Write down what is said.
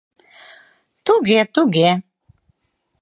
— Туге, туге...